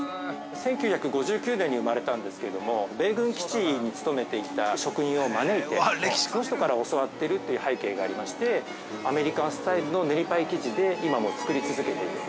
◆１９５９年に生まれたんですけれども、米軍基地に勤めていた職人を招いてその人から教わっているという背景がありまして、アメリカンスタイルの練りパイ生地で今も作り続けている。